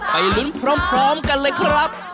ไปลุ้นพร้อมกันเลยครับ